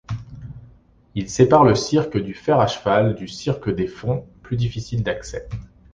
Il sépare le cirque du Fer-à-Cheval du cirque des Fonts, plus difficile d'accès.